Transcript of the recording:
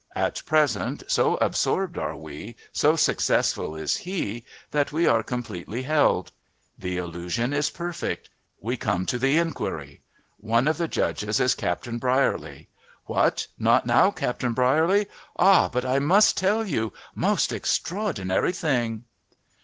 At present, so absorbed are we, so successful is he, that we are completely held. The illusion is perfect. We come to the inquiry. One of the judges is Captain Brierley. "What! not know Captain Brierley! Ah! but I must tell you! Most extraordinary thing!"